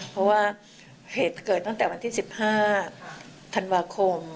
เพราะว่าเหตุเกิดตั้งแต่วันที่๑๕ธันวาคม